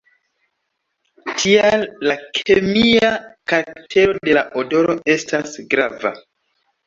Tial la kemia karaktero de la odoro estas grava.